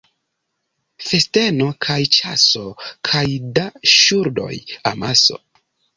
Festeno kaj ĉaso kaj da ŝuldoj amaso.